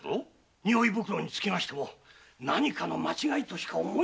匂い袋につきましては何かの間違いとしか思えませんが。